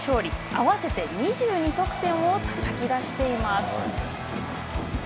合わせて２２得点をたたき出しています。